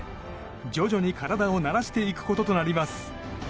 徐々に体を慣らしていくこととなります。